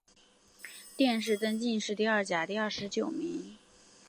殿试登进士第二甲第二十九名。